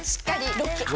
ロック！